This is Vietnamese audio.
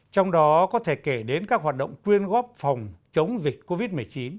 trong đó có thể kể đến các hoạt động quyên góp phòng chống dịch covid một mươi chín